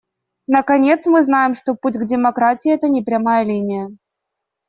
Наконец, мы знаем, что путь к демократии — это не прямая линия.